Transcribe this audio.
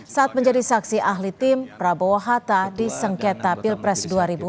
saat menjadi saksi ahli tim prabowo hatta di sengketa pilpres dua ribu sembilan belas